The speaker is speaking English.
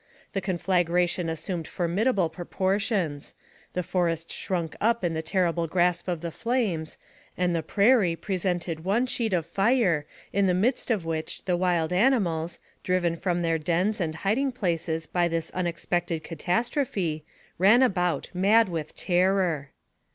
The conflagration assumed formidable proportions; the forest shrunk up in the terrible grasp of the flames, and the prairie presented one sheet of fire, in the midst of which the wild animals, driven from their dens and 160 NARRATIVE OF CAPTIVITY hiding places by this unexpected catastrophy, ran about mad with terror.